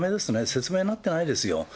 説明になってないですよ。